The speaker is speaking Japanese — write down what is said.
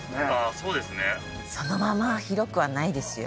そのまま広くはないですよ